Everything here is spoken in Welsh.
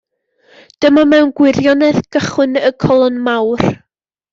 Dyma, mewn gwirionedd, gychwyn y colon mawr.